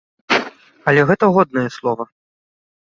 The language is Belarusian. Але гэта годнае слова.